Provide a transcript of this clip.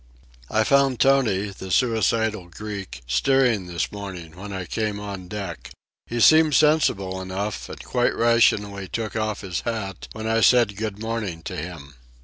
I found Tony, the suicidal Greek, steering this morning when I came on deck. He seemed sensible enough, and quite rationally took off his hat when I said good morning to him.